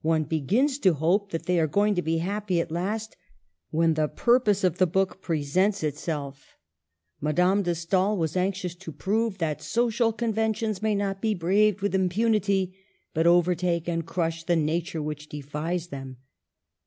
One begins to hope that they are going to be happy at last, when the " purpose " of the book pre Digitized by VjOOQIC 224 MADAME DE STAEL. sents itself. Madame de Stael was anxious to prove that social conventions may not be braved with impunity, but overtake and crush the nature which defies them.